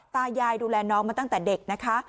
ตายายดูแลน้องมาตั้งแต่เด็กนะคะ